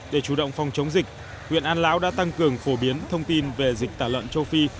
để chủ động phòng chống dịch huyện an lão đã tăng cường phổ biến thông tin về dịch tả lợn châu phi